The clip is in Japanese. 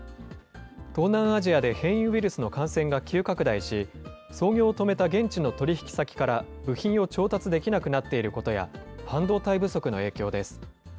東南アジアで変異ウイルスの感染が急拡大し、操業を止めた現地の取り引き先から部品を調達できなくなっていることや、半導体不足の影響です。